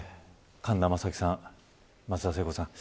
神田正輝さん、松田聖子さん